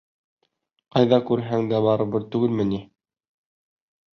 Ҡайҙа күрһәң дә барыбер түгелме ни?